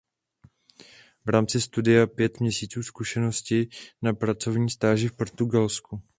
V rámci studia pět měsíců zkušenosti na pracovní stáži v Portugalsku.